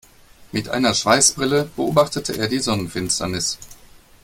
Mit einer Schweißbrille beobachtete er die Sonnenfinsternis.